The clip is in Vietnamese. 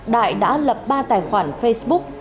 đại đã lập ba tài khoản facebook